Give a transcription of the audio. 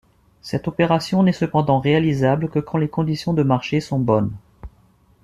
Cette opération n’est cependant réalisable que quand les conditions de marché sont bonnes.